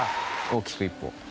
大きく一歩。